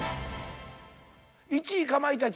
１位かまいたち。